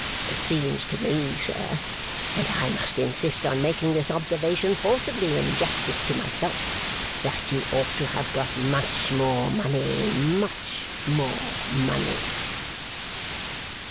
It seems to me, sir, and I must insist on making this observation forcibly in justice to myself, that you ought to have got much more money, much more money.